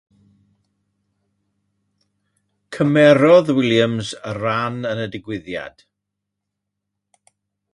Cymerodd Williams ran yn y digwyddiad.